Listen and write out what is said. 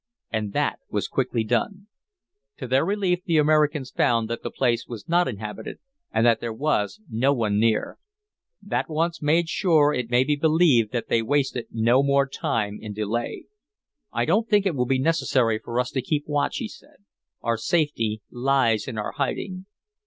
And that was quickly done. To their relief the Americans found that the place was not inhabited and that there was no one near. That once made sure it may be believed that they wasted no more time in delay. "I don't think it will be necessary for us to keep watch," he said. "Our safety lies in our hiding."